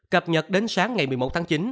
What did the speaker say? cập nhật đến sáng ngày một mươi một tháng chín